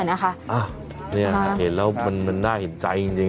นี่เห็นแล้วมันน่าเห็นใจจริง